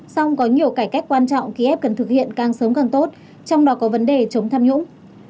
song có nhiều cải cách quan trọng kiev cần thực hiện càng sớm càng tốt trong đó có vấn đề chống tham nhũng